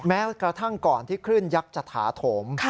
แม้กระทั่งก่อนที่คลื่นยักษ์จะถาโถม